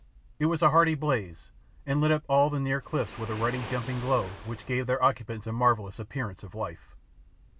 It was a hearty blaze and lit up all the near cliffs with a ruddy jumping glow which gave their occupants a marvellous appearance of life.